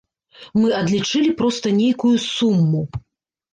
Мы адлічылі проста нейкую суму.